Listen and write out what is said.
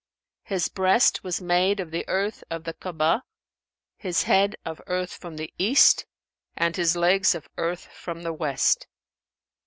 His breast was made of the earth of the Ka'abah, his head of earth from the East and his legs of earth from the West.